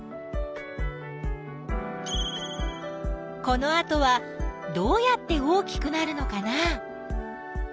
このあとはどうやって大きくなるのかな？